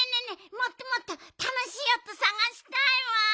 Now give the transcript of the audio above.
もっともっとたのしいおとさがしたいわ。